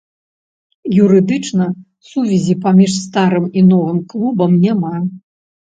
Юрыдычна сувязі паміж старым і новым клубам няма.